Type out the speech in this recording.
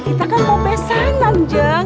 kita kan mau pesanan jeng